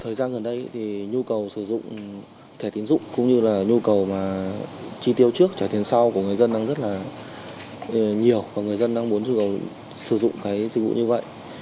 thời gian gần đây thì nhu cầu sử dụng thẻ tiến dụng cũng như là nhu cầu mà chi tiêu trước trả tiền sau của người dân đang rất là nhiều và người dân đang muốn sử dụng cái dịch vụ như vậy